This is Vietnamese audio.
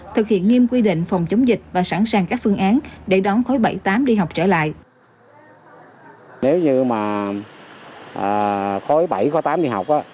thực hiện nghiêm quy định phòng chống dịch và sẵn sàng các phương án để đón khối bảy tám đi học trở lại